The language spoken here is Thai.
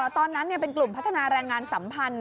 ตอนนั้นเป็นกลุ่มพัฒนาแรงงานสัมพันธ์